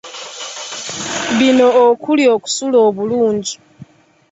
Bino okuli okusula obulungi